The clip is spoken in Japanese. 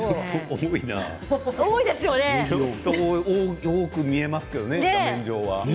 多いな、多く見えますけれどね、画面上は。